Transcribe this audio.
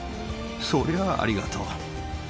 そりゃあ、ありがとう。